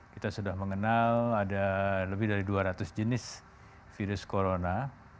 kita sudah mengenal ada lebih dari dua ratus jenis virus corona